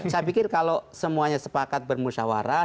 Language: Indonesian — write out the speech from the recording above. saya pikir kalau semuanya sepakat bermusyawarah